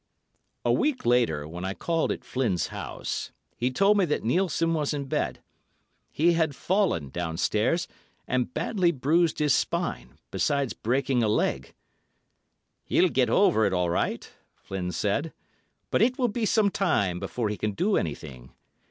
A week later, when I called at Flynn's house, he told me that Nielssen was in bed. He had fallen downstairs and badly bruised his spine, besides breaking a leg. "He'll get over it all right," Flynn said, "but it will be some time before he can do anything.